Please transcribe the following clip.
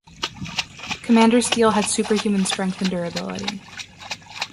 Commander Steel had superhuman strength and durability.